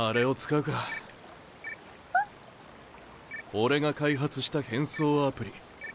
俺が開発した変装アプリ。